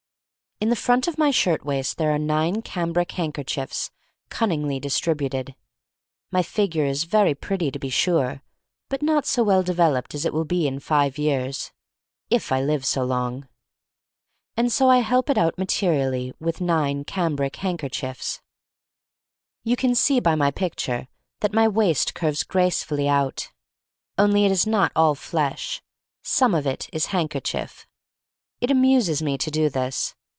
In the front of my shirt waist there are nine cambric handkerchiefs cun ningly distributed. My figure is very pretty, to be sure, but not so well de^ veloped as it will be in five years — if I live so long. And so I help it out THE STORY OF MARY MAC LANE 249 materially with nine cambric handker chiefs. You can see by my picture that my waist curves gracefully out. Only it is not all flesh — some of it is hand kerchief. It amuses me to do this.